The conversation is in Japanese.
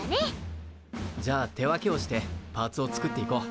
じゃあ手分けをしてパーツをつくっていこう。